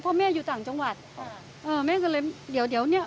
เพราะแม่อยู่ต่างจังหวัดอ่าแม่ก็เลยเดี๋ยวเดี๋ยวเนี้ย